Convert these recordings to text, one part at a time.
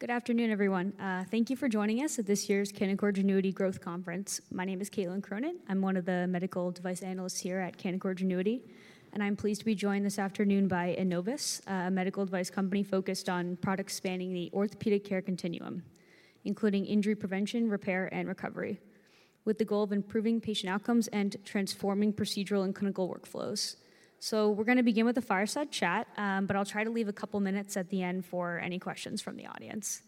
Good afternoon, everyone. Thank you for joining us at this year's Canaccord Genuity Growth Conference. My name is Caitlin Cronin. I'm one of the medical device analysts here at Canaccord Genuity, and I'm pleased to be joined this afternoon by Enovis, a medical device company focused on products spanning the orthopedic care continuum, including injury prevention, repair, and recovery, with the goal of improving patient outcomes and transforming procedural and clinical workflows. We're gonna begin with a fireside chat, but I'll try to leave a couple of minutes at the end for any questions from the audience.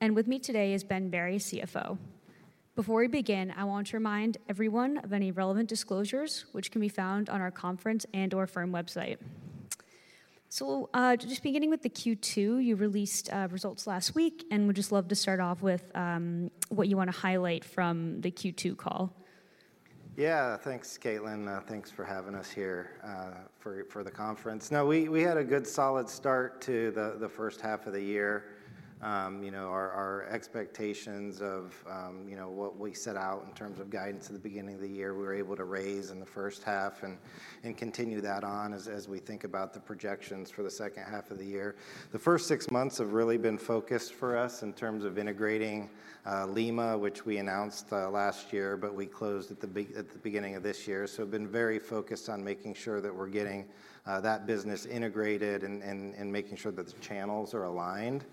And with me today is Ben Berry, CFO. Before we begin, I want to remind everyone of any relevant disclosures, which can be found on our conference and/or firm website. So, just beginning with the Q2, you released results last week, and would just love to start off with what you want to highlight from the Q2 call. Yeah, thanks, Caitlin. Thanks for having us here for the conference. No, we had a good, solid start to the first half of the year. You know, our expectations of, you know, what we set out in terms of guidance at the beginning of the year, we were able to raise in the first half and continue that on as we think about the projections for the second half of the year. The first six months have really been focused for us in terms of integrating Lima, which we announced last year, but we closed at the beginning of this year. So we've been very focused on making sure that we're getting that business integrated and making sure that the channels are aligned,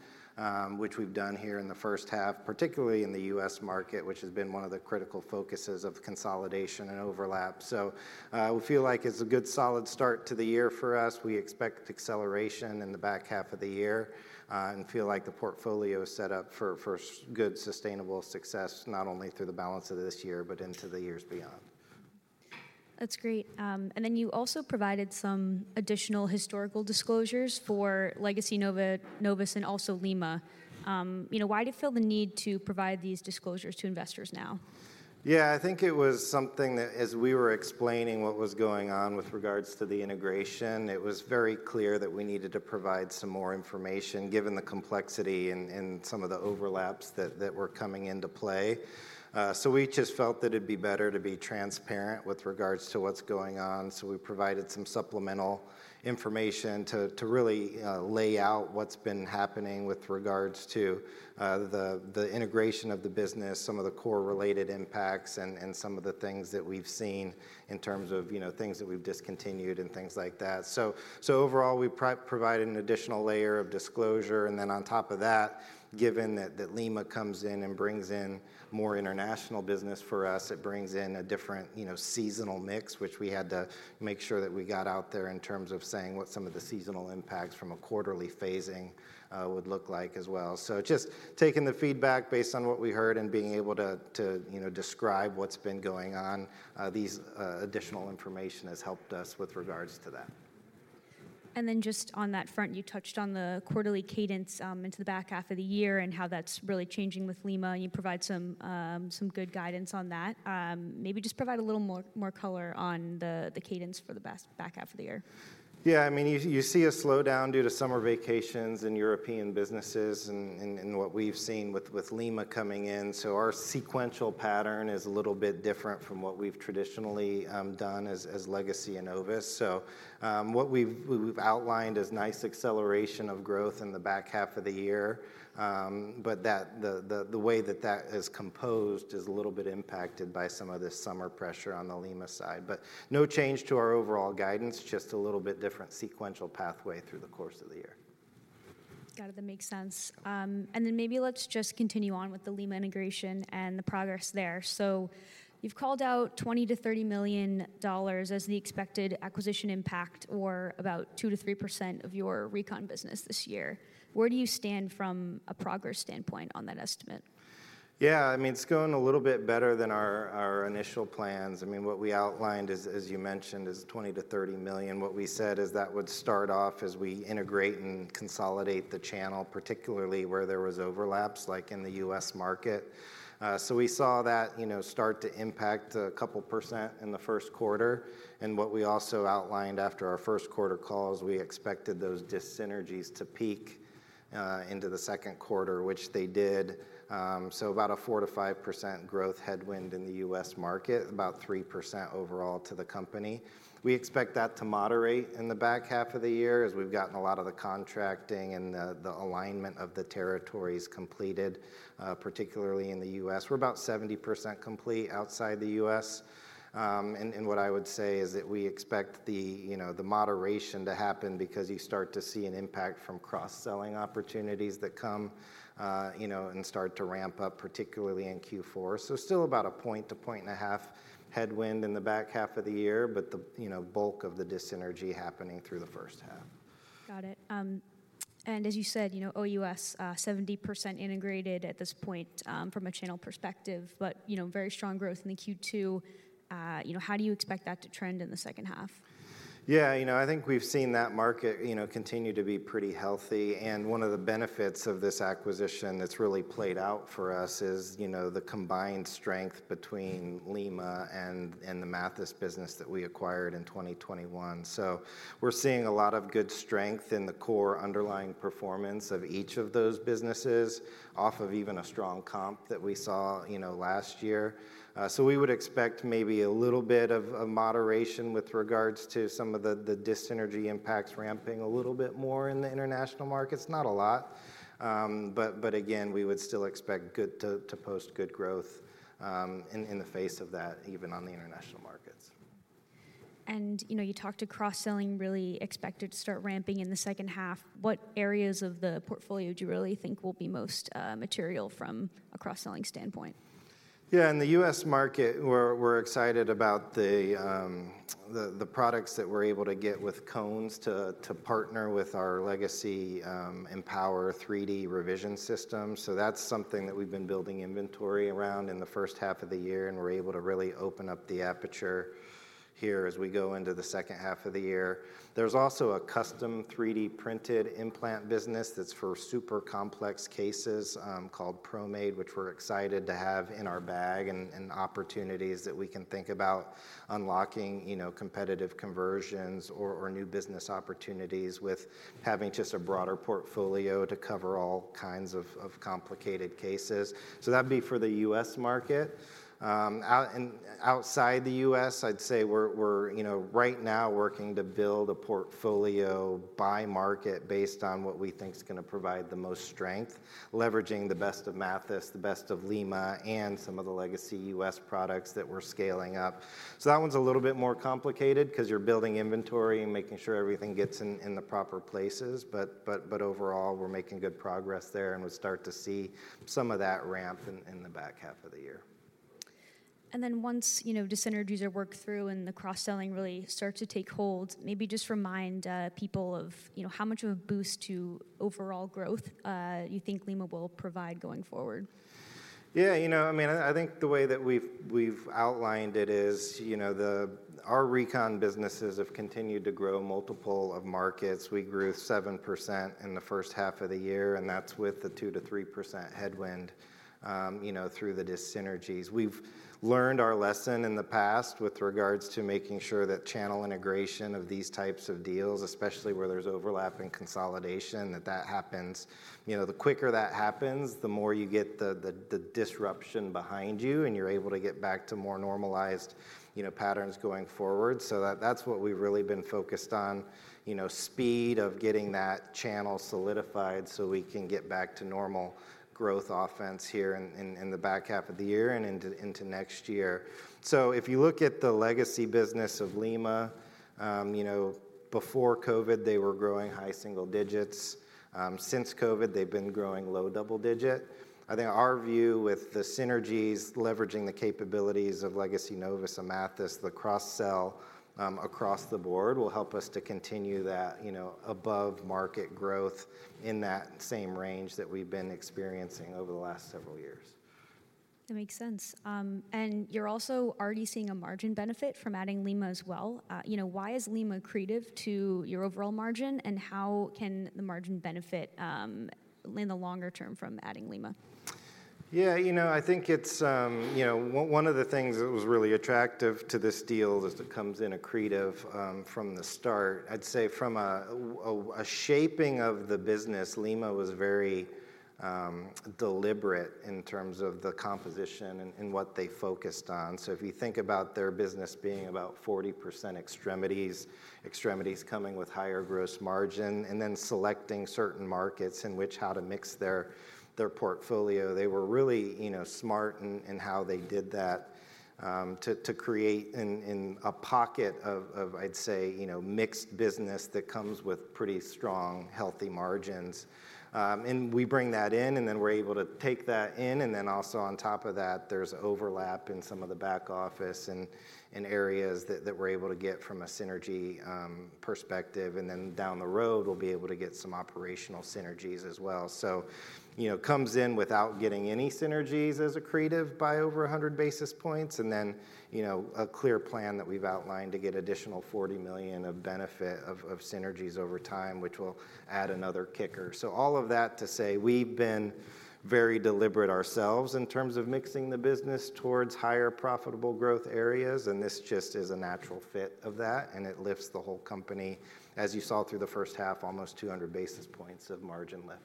which we've done here in the first half, particularly in the U.S. market, which has been one of the critical focuses of consolidation and overlap. So we feel like it's a good, solid start to the year for us. We expect acceleration in the back half of the year and feel like the portfolio is set up for good, sustainable success, not only through the balance of this year, but into the years beyond. That's great. And then you also provided some additional historical disclosures for Legacy Enovis and also Lima. You know, why do you feel the need to provide these disclosures to investors now? Yeah, I think it was something that as we were explaining what was going on with regards to the integration, it was very clear that we needed to provide some more information, given the complexity and some of the overlaps that were coming into play. So we just felt that it'd be better to be transparent with regards to what's going on, so we provided some supplemental information to really lay out what's been happening with regards to the integration of the business, some of the core related impacts, and some of the things that we've seen in terms of, you know, things that we've discontinued and things like that. So, so overall, we provided an additional layer of disclosure, and then on top of that, given that Lima comes in and brings in more international business for us, it brings in a different, you know, seasonal mix, which we had to make sure that we got out there in terms of saying what some of the seasonal impacts from a quarterly phasing would look like as well. So just taking the feedback based on what we heard and being able to you know describe what's been going on, these additional information has helped us with regards to that. And then just on that front, you touched on the quarterly cadence into the back half of the year and how that's really changing with Lima, and you provide some good guidance on that. Maybe just provide a little more color on the cadence for the back half of the year. Yeah, I mean, you see a slowdown due to summer vacations in European businesses and what we've seen with Lima coming in. So our sequential pattern is a little bit different from what we've traditionally done as Legacy Enovis. So, what we've outlined is nice acceleration of growth in the back half of the year. But that the way that that is composed is a little bit impacted by some of the summer pressure on the Lima side, but no change to our overall guidance, just a little bit different sequential pathway through the course of the year. Got it. That makes sense. And then maybe let's just continue on with the Lima integration and the progress there. So you've called out $20 million-$30 million as the expected acquisition impact, or about 2%-3% of your recon business this year. Where do you stand from a progress standpoint on that estimate? Yeah, I mean, it's going a little bit better than our initial plans. I mean, what we outlined as you mentioned, is $20 million-$30 million. What we said is that would start off as we integrate and consolidate the channel, particularly where there was overlaps, like in the U.S. market. So we saw that, you know, start to impact a couple percent in the first quarter, and what we also outlined after our first quarter call is we expected those dis-synergies to peak into the second quarter, which they did. So about a 4%-5% growth headwind in the U.S. market, about 3% overall to the company. We expect that to moderate in the back half of the year as we've gotten a lot of the contracting and the alignment of the territories completed, particularly in the U.S. We're about 70% complete outside the U.S. What I would say is that we expect the, you know, moderation to happen because you start to see an impact from cross-selling opportunities that come, you know, and start to ramp up, particularly in Q4. So still about a 1-1.5 point headwind in the back half of the year, but the, you know, bulk of the dis-synergy happening through the first half. Got it. As you said, you know, OUS 70% integrated at this point, from a channel perspective, but, you know, very strong growth in the Q2. You know, how do you expect that to trend in the second half? Yeah, you know, I think we've seen that market, you know, continue to be pretty healthy, and one of the benefits of this acquisition that's really played out for us is, you know, the combined strength between Lima and the Mathys business that we acquired in 2021. So we're seeing a lot of good strength in the core underlying performance of each of those businesses, off of even a strong comp that we saw, you know, last year. So we would expect maybe a little bit of a moderation with regards to some of the dis-synergy impacts ramping a little bit more in the international markets. Not a lot, but again, we would still expect good to post good growth in the face of that, even on the international markets. You know, you talked to cross-selling really expected to start ramping in the second half. What areas of the portfolio do you really think will be most material from a cross-selling standpoint? Yeah, in the U.S. market, we're excited about the products that we're able to get with cones to partner with our legacy EMPOWR 3D revision system. So that's something that we've been building inventory around in the first half of the year, and we're able to really open up the aperture here as we go into the second half of the year. There's also a custom 3D-printed implant business that's for super complex cases called ProMade, which we're excited to have in our bag, and opportunities that we can think about unlocking, you know, competitive conversions or new business opportunities with having just a broader portfolio to cover all kinds of complicated cases. So that'd be for the U.S. market. Outside the U.S., I'd say we're, you know, right now working to build a portfolio by market based on what we think is gonna provide the most strength, leveraging the best of Mathys, the best of Lima, and some of the legacy U.S. products that we're scaling up. So that one's a little bit more complicated 'cause you're building inventory and making sure everything gets in the proper places, but overall, we're making good progress there, and we'll start to see some of that ramp in the back half of the year. And then once, you know, dis-synergies are worked through and the cross-selling really starts to take hold, maybe just remind people of, you know, how much of a boost to overall growth you think Lima will provide going forward? Yeah, you know, I mean, I think the way that we've outlined it is, you know, the, our recon businesses have continued to grow multiple of markets. We grew 7% in the first half of the year, and that's with the 2%-3% headwind, you know, through the dis-synergies. We've learned our lesson in the past with regards to making sure that channel integration of these types of deals, especially where there's overlap and consolidation, that that happens. You know, the quicker that happens, the more you get the disruption behind you, and you're able to get back to more normalized, you know, patterns going forward. So that's what we've really been focused on, you know, speed of getting that channel solidified so we can get back to normal growth offense here in the back half of the year and into next year. So if you look at the legacy business of Lima, you know, before COVID, they were growing high single digits. Since COVID, they've been growing low double digit. I think our view with the synergies, leveraging the capabilities of legacy Enovis, and Mathys, the cross-sell across the board, will help us to continue that, you know, above-market growth in that same range that we've been experiencing over the last several years. That makes sense. And you're also already seeing a margin benefit from adding Lima as well? You know, why is Lima accretive to your overall margin, and how can the margin benefit in the longer term from adding Lima? Yeah, you know, I think it's one of the things that was really attractive to this deal is it comes in accretive from the start. I'd say from a shaping of the business, Lima was very deliberate in terms of the composition and what they focused on. So if you think about their business being about 40% extremities, extremities coming with higher gross margin, and then selecting certain markets in which how to mix their portfolio, they were really, you know, smart in how they did that to create a pocket of, I'd say, you know, mixed business that comes with pretty strong, healthy margins. We bring that in, and then we're able to take that in, and then also on top of that, there's overlap in some of the back office and in areas that we're able to get from a synergy perspective, and then down the road we'll be able to get some operational synergies as well. So, you know, it comes in without getting any synergies as accretive by over 100 basis points, and then, you know, a clear plan that we've outlined to get additional $40 million of benefit of synergies over time, which will add another kicker. So all of that to say, we've been very deliberate ourselves in terms of mixing the business towards higher profitable growth areas, and this just is a natural fit of that, and it lifts the whole company, as you saw through the first half, almost 200 basis points of margin lift.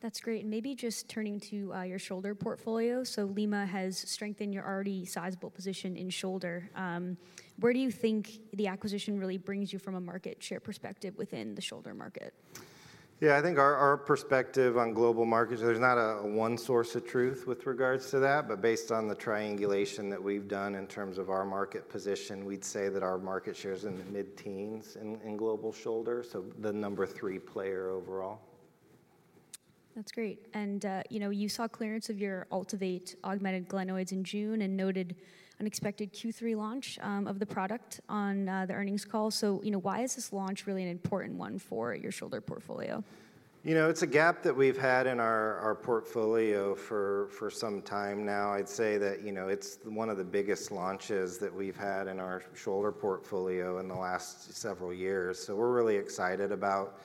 That's great. Maybe just turning to your shoulder portfolio. So Lima has strengthened your already sizable position in shoulder. Where do you think the acquisition really brings you from a market share perspective within the shoulder market? Yeah, I think our perspective on global markets, there's not a one source of truth with regards to that, but based on the triangulation that we've done in terms of our market position, we'd say that our market share is in the mid-teens in global shoulder, so the Number 3 player overall. That's great. And, you know, you saw clearance of your AltiVate augmented glenoids in June and noted unexpected Q3 launch of the product on the earnings call. So, you know, why is this launch really an important one for your shoulder portfolio? You know, it's a gap that we've had in our portfolio for some time now. I'd say that, you know, it's one of the biggest launches that we've had in our shoulder portfolio in the last several years. So we're really excited about,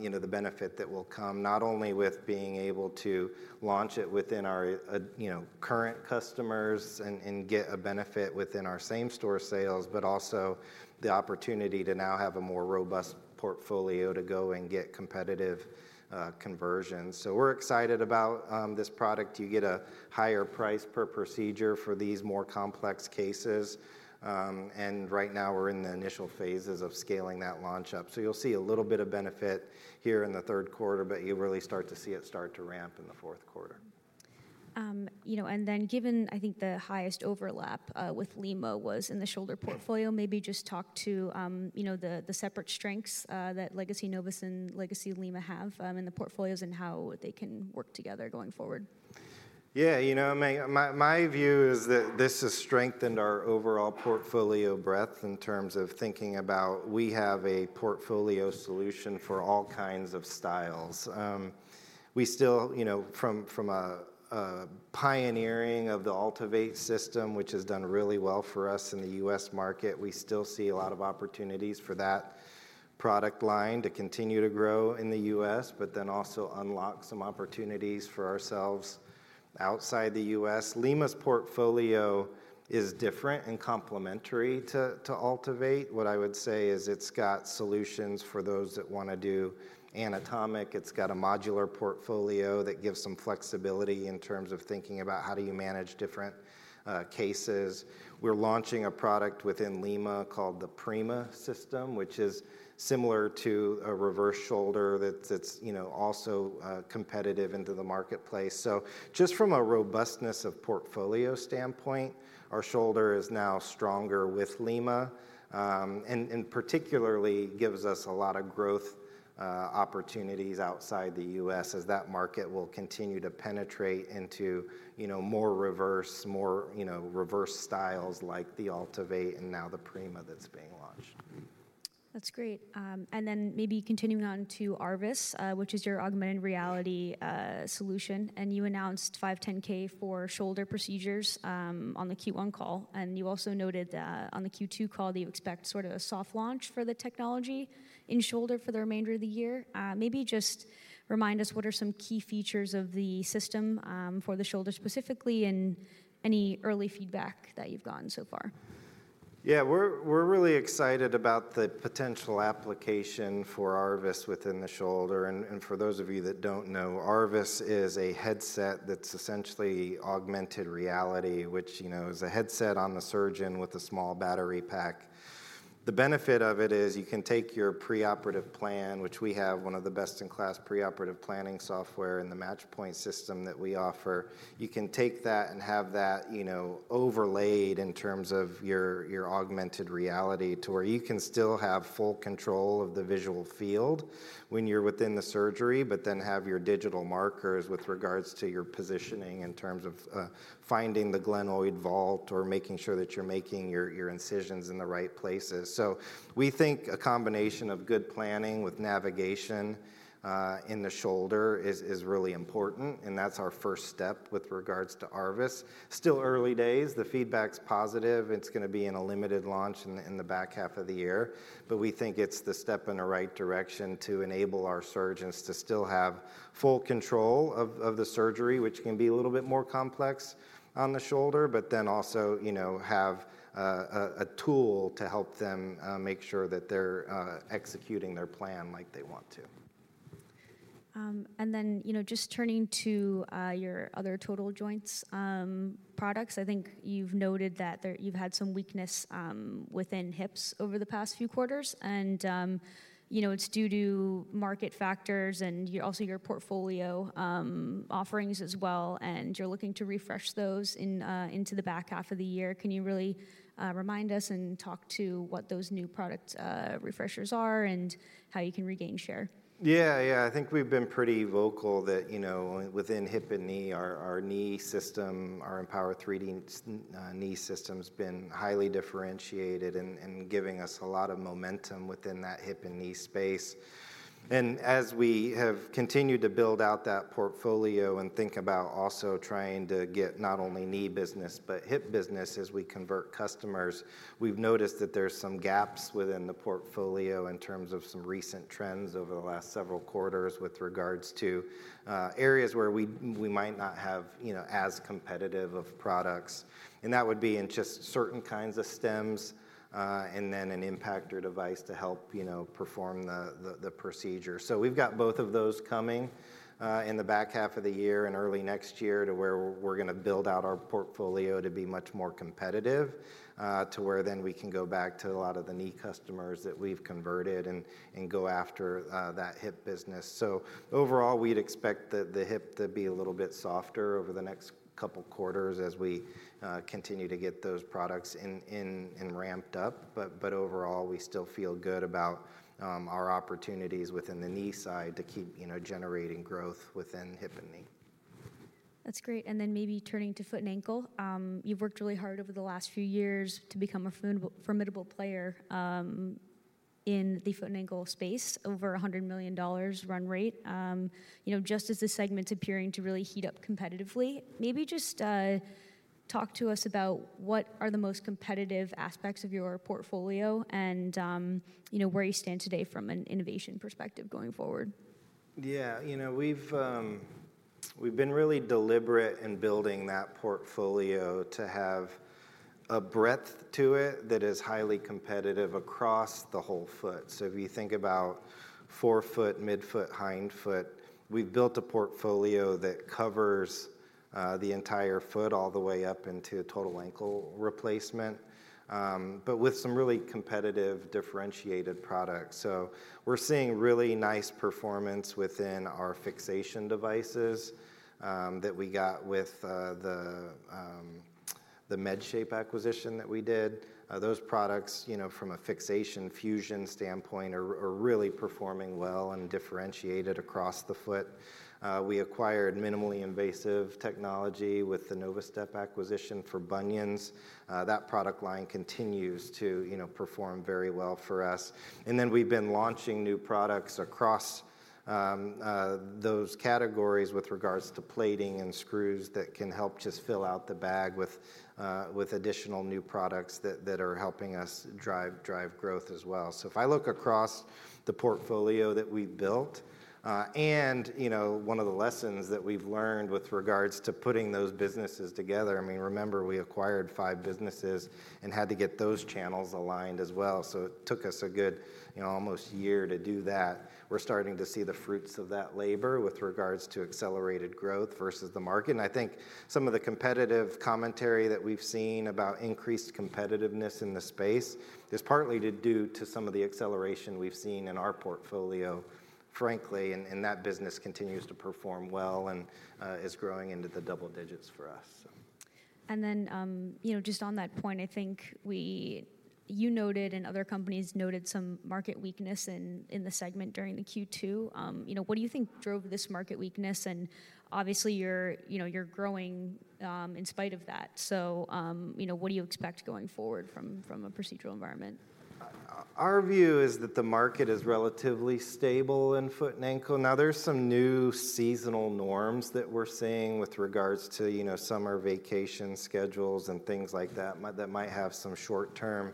you know, the benefit that will come, not only with being able to launch it within our, you know, current customers and get a benefit within our same-store sales, but also the opportunity to now have a more robust portfolio to go and get competitive conversions. So we're excited about this product. You get a higher price per procedure for these more complex cases. And right now, we're in the initial phases of scaling that launch up. You'll see a little bit of benefit here in the third quarter, but you'll really start to see it start to ramp in the fourth quarter. You know, and then given, I think, the highest overlap with Lima was in the shoulder portfolio. Maybe just talk to, you know, the separate strengths that Legacy Enovis and legacy Lima have in the portfolios, and how they can work together going forward. Yeah, you know, May, my view is that this has strengthened our overall portfolio breadth in terms of thinking about we have a portfolio solution for all kinds of styles. We still, you know, from a pioneering of the AltiVate system, which has done really well for us in the U.S. market, we still see a lot of opportunities for that product line to continue to grow in the US, but then also unlock some opportunities for ourselves outside the U.S. Lima's portfolio is different and complementary to AltiVate. What I would say is it's got solutions for those that wanna do anatomic. It's got a modular portfolio that gives some flexibility in terms of thinking about how do you manage different cases. We're launching a product within Lima called the PRIMA system, which is similar to a reverse shoulder that's you know also competitive into the marketplace. So just from a robustness of portfolio standpoint, our shoulder is now stronger with Lima, and particularly gives us a lot of growth opportunities outside the U.S. as that market will continue to penetrate into you know more reverse you know reverse styles like the AltiVate and now the PRIMA that's being launched. That's great. And then maybe continuing on to ARVIS, which is your augmented reality solution, and you announced 510(k) for shoulder procedures, on the Q1 call. And you also noted, on the Q2 call that you expect sort of a soft launch for the technology in shoulder for the remainder of the year. Maybe just remind us, what are some key features of the system, for the shoulder specifically, and any early feedback that you've gotten so far? Yeah, we're really excited about the potential application for ARVIS within the shoulder. And for those of you that don't know, ARVIS is a headset that's essentially augmented reality, which, you know, is a headset on the surgeon with a small battery pack. The benefit of it is you can take your preoperative plan, which we have one of the best-in-class preoperative planning software in the Match Point system that we offer. You can take that and have that, you know, overlaid in terms of your augmented reality to where you can still have full control of the visual field when you're within the surgery. But then have your digital markers with regards to your positioning in terms of finding the glenoid vault or making sure that you're making your incisions in the right places. So we think a combination of good planning with navigation in the shoulder is really important, and that's our first step with regards to ARVIS. Still early days, the feedback's positive. It's gonna be in a limited launch in the back half of the year, but we think it's the step in the right direction to enable our surgeons to still have full control of the surgery, which can be a little bit more complex on the shoulder. But then also, you know, have a tool to help them make sure that they're executing their plan like they want to. And then, you know, just turning to your other total joints products, I think you've noted that you've had some weakness within hips over the past few quarters and, you know, it's due to market factors and your, also your portfolio offerings as well, and you're looking to refresh those into the back half of the year. Can you really remind us and talk to what those new product refreshers are, and how you can regain share? Yeah, yeah. I think we've been pretty vocal that, you know, within hip and knee, our knee system, our EMPOWR 3D knee system's been highly differentiated and giving us a lot of momentum within that hip and knee space. As we have continued to build out that portfolio and think about also trying to get not only knee business but hip business as we convert customers, we've noticed that there's some gaps within the portfolio in terms of some recent trends over the last several quarters, with regards to areas where we might not have, you know, as competitive of products. And that would be in just certain kinds of stems and then an impactor device to help, you know, perform the procedure. So we've got both of those coming in the back half of the year and early next year to where we're gonna build out our portfolio to be much more competitive, to where then we can go back to a lot of the knee customers that we've converted and go after that hip business. So overall, we'd expect the hip to be a little bit softer over the next couple quarters as we continue to get those products in ramped up. But overall, we still feel good about our opportunities within the knee side to keep, you know, generating growth within hip and knee. That's great. And then maybe turning to foot and ankle, you've worked really hard over the last few years to become a formidable, formidable player, in the foot and ankle space, over $100 million run rate. You know, just as this segment's appearing to really heat up competitively, maybe just talk to us about what are the most competitive aspects of your portfolio and, you know, where you stand today from an innovation perspective going forward? Yeah, you know, we've been really deliberate in building that portfolio to have a breadth to it that is highly competitive across the whole foot. So if you think about forefoot, midfoot, hindfoot, we've built a portfolio that covers the entire foot all the way up into total ankle replacement, but with some really competitive, differentiated products. So we're seeing really nice performance within our fixation devices that we got with the MedShape acquisition that we did. Those products, you know, from a fixation fusion standpoint, are really performing well and differentiated across the foot. We acquired minimally invasive technology with the Novastep acquisition for bunions. That product line continues to, you know, perform very well for us. And then we've been launching new products across those categories with regards to plating and screws that can help just fill out the bag with additional new products that are helping us drive growth as well. So if I look across the portfolio that we've built, and, you know, one of the lessons that we've learned with regards to putting those businesses together—I mean, remember, we acquired five businesses and had to get those channels aligned as well, so it took us a good, you know, almost year to do that. We're starting to see the fruits of that labor with regards to accelerated growth versus the market. I think some of the competitive commentary that we've seen about increased competitiveness in the space is partly due to some of the acceleration we've seen in our portfolio, frankly, and that business continues to perform well and is growing into the double digits for us. And then, you know, just on that point, I think you noted and other companies noted some market weakness in the segment during the Q2. You know, what do you think drove this market weakness? And obviously, you're, you know, you're growing in spite of that. So, you know, what do you expect going forward from a procedural environment? Our view is that the market is relatively stable in foot and ankle. Now, there's some new seasonal norms that we're seeing with regards to, you know, summer vacation schedules and things like that, that might have some short-term,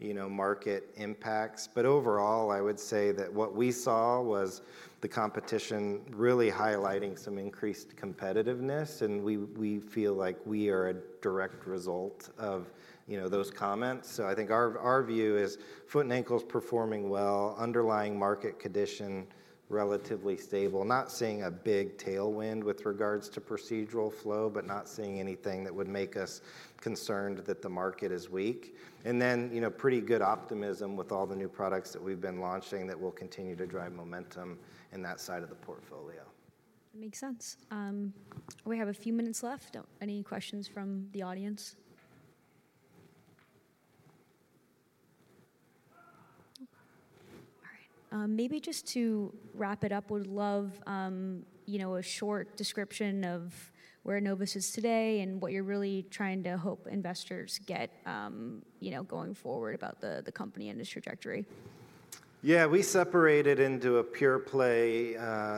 you know, market impacts. But overall, I would say that what we saw was the competition really highlighting some increased competitiveness, and we feel like we are a direct result of, you know, those comments. So I think our view is foot and ankle's performing well, underlying market condition, relatively stable. Not seeing a big tailwind with regards to procedural flow, but not seeing anything that would make us concerned that the market is weak. And then, you know, pretty good optimism with all the new products that we've been launching that will continue to drive momentum in that side of the portfolio. That makes sense. We have a few minutes left. Any questions from the audience? Okay. All right. Maybe just to wrap it up, would love, you know, a short description of where Enovis is today and what you're really trying to hope investors get, you know, going forward about the, the company and its trajectory. Yeah, we separated into a pure play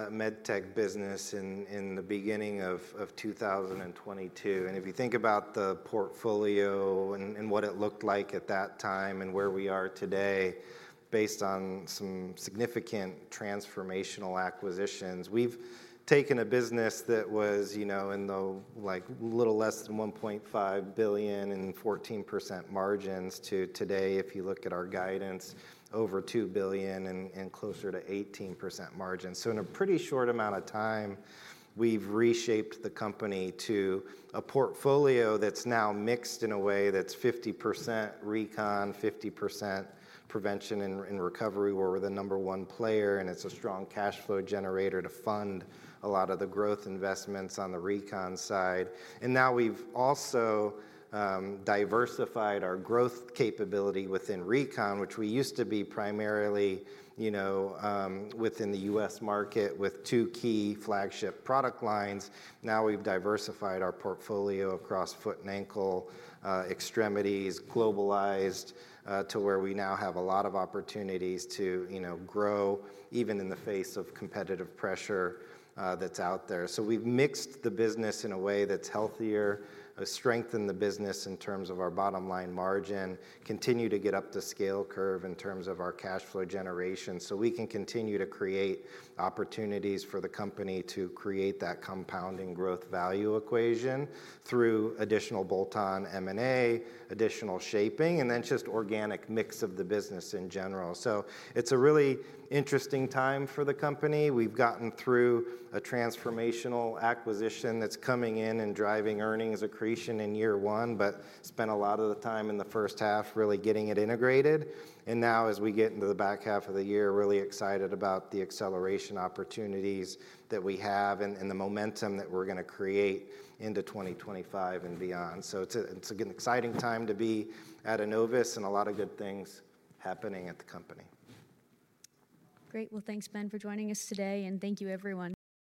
med tech business in the beginning of 2022. And if you think about the portfolio and what it looked like at that time and where we are today, based on some significant transformational acquisitions, we've taken a business that was, you know, in the, like, little less than $1.5 billion and 14% margins, to today, if you look at our guidance, over $2 billion and closer to 18% margins. So in a pretty short amount of time, we've reshaped the company to a portfolio that's now mixed in a way that's 50% recon, 50% prevention and recovery, where we're the number one player, and it's a strong cash flow generator to fund a lot of the growth investments on the recon side. And now we've also diversified our growth capability within recon, which we used to be primarily, you know, within the U.S. market with two key flagship product lines. Now we've diversified our portfolio across foot and ankle, extremities, globalized, to where we now have a lot of opportunities to, you know, grow, even in the face of competitive pressure that's out there. So we've mixed the business in a way that's healthier, strengthened the business in terms of our bottom line margin, continue to get up the scale curve in terms of our cash flow generation, so we can continue to create opportunities for the company to create that compounding growth value equation through additional bolt-on M&A, additional shaping, and then just organic mix of the business in general. So it's a really interesting time for the company. We've gotten through a transformational acquisition that's coming in and driving earnings accretion in year one, but spent a lot of the time in the first half really getting it integrated. And now, as we get into the back half of the year, really excited about the acceleration opportunities that we have and, and the momentum that we're gonna create into 2025 and beyond. So it's an exciting time to be at Enovis and a lot of good things happening at the company. Great. Well, thanks, Ben, for joining us today, and thank you, everyone.